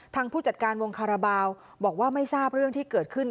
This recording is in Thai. ผู้จัดการวงคาราบาลบอกว่าไม่ทราบเรื่องที่เกิดขึ้น